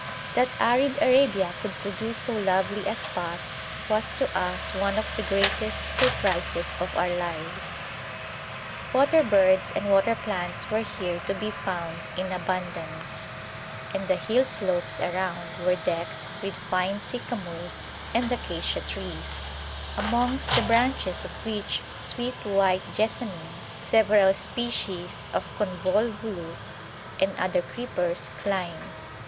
That arid Arabia could produce so lovely a spot, was to us one of the greatest surprises of our lives. Water birds and water plants were here to be found in abundance, and the hill slopes around were decked with fine sycamores and acacia trees, amongst the branches of which sweet white jessamine, several species of convolvulus, and other creepers climbed.